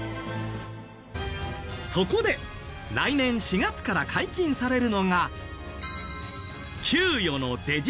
そこで来年４月から解禁されるのが。